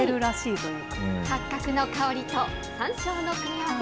八角の香りと、さんしょうの組み合わせ。